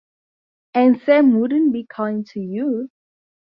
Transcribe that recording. And Sam wouldn't be kind to you?